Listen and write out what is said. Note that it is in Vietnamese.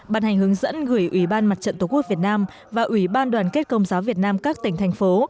bàn hành hướng dẫn gửi ủy ban mặt trận tổ quốc việt nam và ủy ban đoàn kết công giáo việt nam các tỉnh thành phố